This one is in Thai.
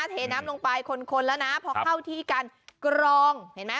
เทน้ำลงไปคนแล้วนะพอเข้าที่การกรองเห็นไหม